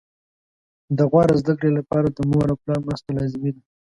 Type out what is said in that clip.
د غوره زده کړې لپاره د مور او پلار مرسته لازمي ده